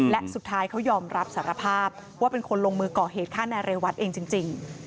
และสุดท้ายเขายอมรับสารภาพว่าเป็นคนลงมือก่อเหตุฆ่านายเรวัตเองจริง